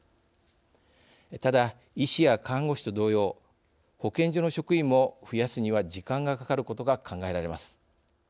ただ、医師や看護師と同様保健所の職員も、増やすには時間がかかることが考えられます。